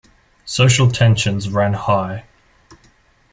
Social tensions ran high.